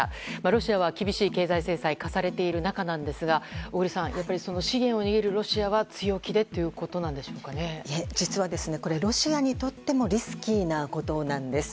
ロシアは厳しい経済制裁が科されている中ですが小栗さん、やっぱり資源を握るロシアは強気で実はロシアにとってもリスキーなことなんです。